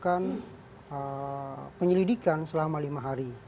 kita akan menyelidikan selama lima hari